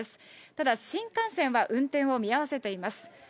ただ、新幹線は運転を見合わせています。